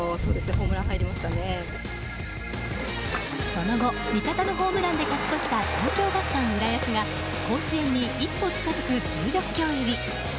その後、味方のホームランで勝ち越した東京学館浦安が甲子園に一歩近づく１６強入り。